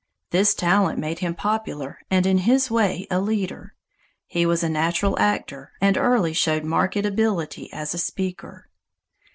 This talent made him popular and in his way a leader. He was a natural actor, and early showed marked ability as a speaker.